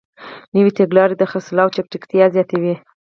نوې تګلارې د خرڅلاو چټکتیا زیاتوي.